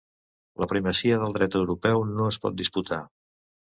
La primacia del dret europeu no es pot disputar.